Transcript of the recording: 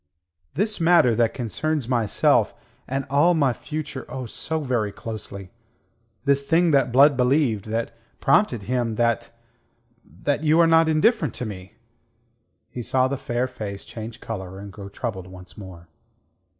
"This matter that concerns myself; and all my future, oh, so very closely. This thing that Blood believed, that prompted him..., that ... that you are not indifferent to me." He saw the fair face change colour and grow troubled once more.